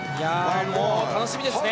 もう楽しみですね。